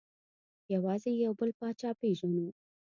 یوازې یو بل پاچا پېژنو.